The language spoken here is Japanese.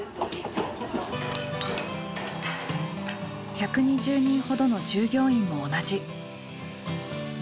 １２０人ほどの従業員も同じ。